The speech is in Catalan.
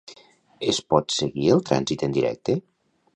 Es pot seguir el trànsit en directe?